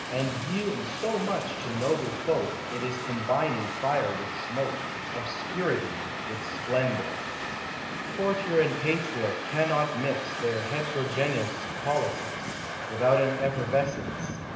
And yield so much to noble folk, It is combining fire with smoke, Obscurity with splendor. Courtier and patriot cannot mix Their het'rogeneous politics Without an effervescence.